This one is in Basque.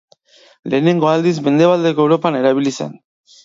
Lehenengo aldiz Mendebaldeko Europan erabili zen.